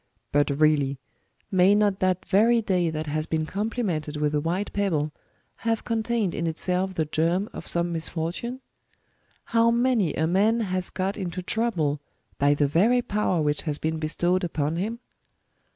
^' But really, may not that very day that has been complimented with a white pebble, have contained in itself the germ of some misfortune ? Hoav many a man has got into trouble by the very power which has been bestowed upon him